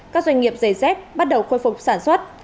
các doanh nghiệp giày dép bắt đầu khôi phục sản xuất